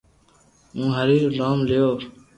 ھون ھري رو نوم ليو